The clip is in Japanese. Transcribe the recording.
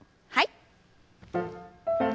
はい。